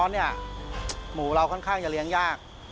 ช่วงน้ำร้อนหมูเราค่อนข้างจะเลี้ยงยาก